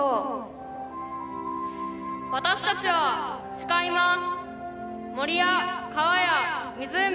私たちは誓います。